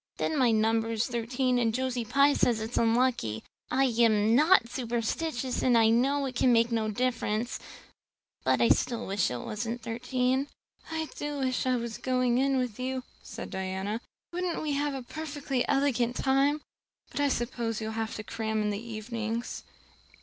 And then my number is thirteen and Josie Pye says it's so unlucky. I am not superstitious and I know it can make no difference. But still I wish it wasn't thirteen." "I do wish I was going in with you," said Diana. "Wouldn't we have a perfectly elegant time? But I suppose you'll have to cram in the evenings."